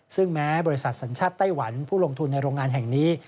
ซึ่งแม้บริษัทสัญชาติไต้หวันผู้ลงทุนในโรงงานแห่งนี้